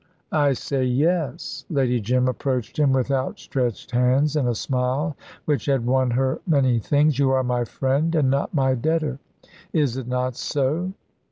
"I say, yes." Lady Jim approached him with outstretched hands, and a smile which had won her many things. "You are my friend and not my debtor. Is it not so?"